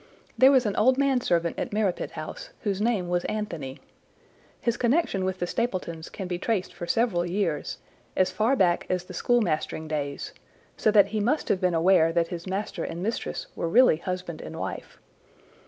There was an old manservant at Merripit House, whose name was Anthony. His connection with the Stapletons can be traced for several years, as far back as the school mastering days, so that he must have been aware that his master and mistress were really husband and wife.